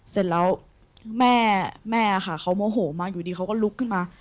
เสร็จแล้วแม่ค่ะเขาโมโหมากอยู่ดีเขาก็ลุกขึ้นมา